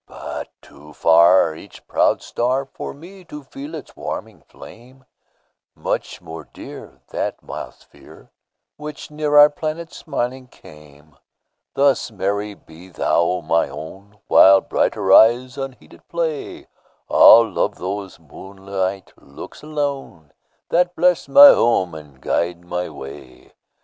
But too farEach proud star, For me to feel its warming flame; Much more dear, That mild sphere, Which near our planet smiling came; Thus, Mary, be but thou my own; While brighter eyes unheeded play, I'll love those moonlight looks alone, That bless my home and guide my way.